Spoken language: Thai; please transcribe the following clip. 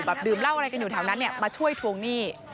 ดื่มเหล้าอะไรกันอยู่แถวนั้นเนี่ยมาช่วยทวงหนี้